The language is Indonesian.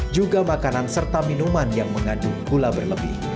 juga makanan serta minuman yang mengandung gula berlebih